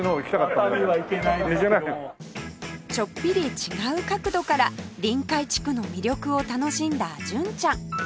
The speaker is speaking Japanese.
ちょっぴり違う角度から臨海地区の魅力を楽しんだ純ちゃん